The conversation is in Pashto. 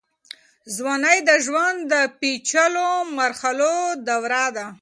ځوانۍ د ژوند د پېچلو مرحلو دوره ده.